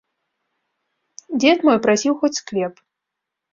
Дзед мой прасіў хоць склеп.